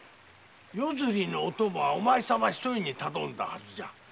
夜釣りのお供はお前様一人に頼んだはずじゃ。